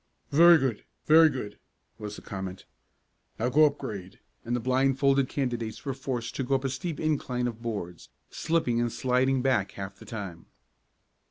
"Very good! Very good," was the comment. "Now go up grade," and the blindfolded candidates were forced to go up a steep incline of boards, slipping and sliding back half the time.